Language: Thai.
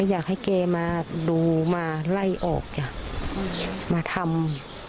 อยากให้แกมาดูมาไล่ออกจ้ะมาทำ